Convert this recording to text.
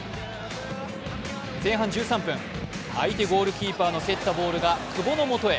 前半１３分、相手ゴールキーパーの蹴ったボールが久保のもとへ。